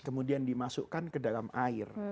kemudian dimasukkan ke dalam air